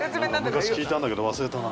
昔聞いたんだけど忘れたな。